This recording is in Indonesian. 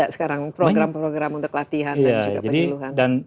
oh ada sekarang program program untuk latihan dan juga penyeluhan